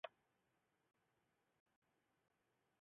担任驻锡金政务官的人有一些成为知名人物。